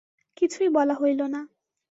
কিছুই বলা হইল না।